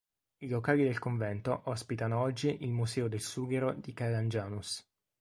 I locali del convento ospitano oggi il Museo del Sughero di Calangianus.